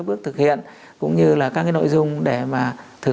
biên phòng là xác nhận xe vào